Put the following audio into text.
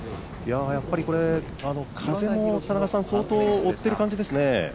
やっぱりこれ、風も相当、追っている感じですね。